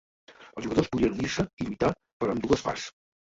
Els jugadors podrien unir-se i lluitar per ambdues parts.